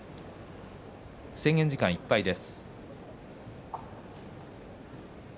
制限時間いっぱいです。